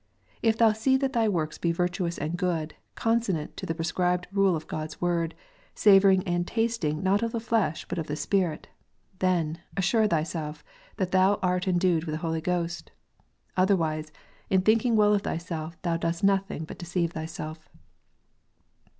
If thou see that thy works be virtuous and good, consonant to the prescribed rule of God s Word, savouring and tasting not of the flesh, but of the Spirit, then assure thyself that thou art endued with the Holy Ghost ; otherwise, in thinking well of thyself, thou dost nothing but deceive thyself."